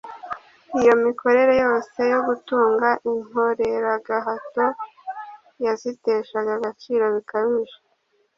Iyo mikorere yose yo gutunga inkoreragahato yaziteshaga agaciro bikabije.